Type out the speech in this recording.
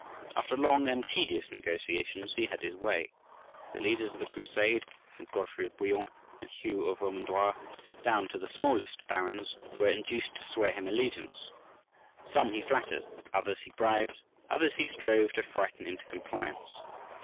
After long and tedious negotiations he had his way: the leaders of the Crusade, from Godfrey of Bouillon and Hugh of Vermandois down to the smallest barons, were induced to swear him allegiance. Some he flattered, others he bribed, others he strove to frighten into compliance.